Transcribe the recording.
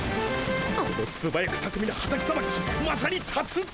このすばやくたくみなハタキさばきまさに達人！